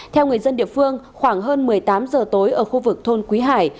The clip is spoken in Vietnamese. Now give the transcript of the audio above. theo người dân địa phương khoảng hơn một mươi tám giờ tối ở khu vực thôn quý hải